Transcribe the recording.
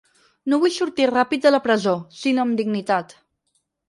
No vull sortir ràpid de la presó, sinó amb dignitat.